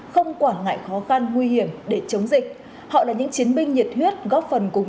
không quản ngại khó khăn nguy hiểm để chống dịch họ là những chiến binh nhiệt huyết góp phần cùng